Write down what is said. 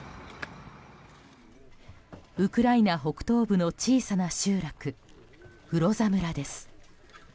ウクライナ北東部の小さな集落フロザ村です。